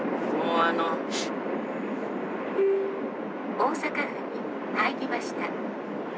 大阪府に入りました。